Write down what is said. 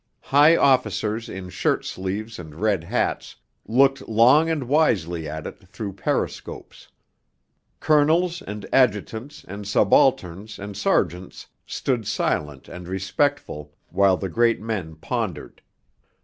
High officers in shirt sleeves and red hats looked long and wisely at it through periscopes; colonels and adjutants and subalterns and sergeants stood silent and respectful while the great men pondered.